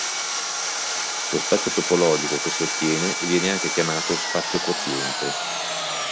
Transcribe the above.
Lo spazio topologico che si ottiene viene anche chiamato spazio quoziente.